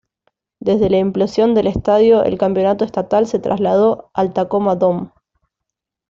Desde la implosión del estadio el campeonato estatal se trasladó al Tacoma Dome.